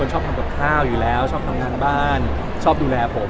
ชอบทำกับข้าวอยู่แล้วชอบทำงานบ้านชอบดูแลผม